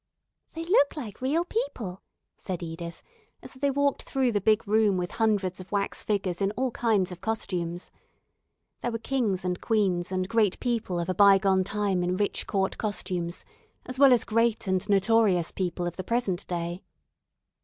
"They look like real people," said Edith, as they walked through the big room with hundreds of wax figures in all kinds of costumes. There were kings and queens and great people of a bygone time in rich court costumes, as well as great and notorious people of the present day.